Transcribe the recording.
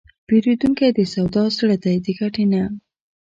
پیرودونکی د سودا زړه دی، د ګټې نه.